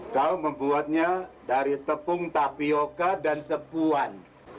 kau membuatnya dari tepung tapioca dan sepuan